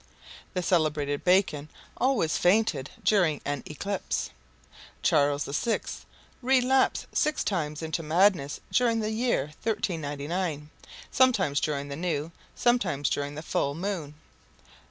The celebrated Bacon always fainted during an eclipse. Charles VI relapsed six times into madness during the year 1399, sometimes during the new, sometimes during the full moon.